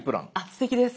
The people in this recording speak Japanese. すてきです。